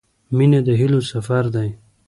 • مینه د هیلو سفر دی.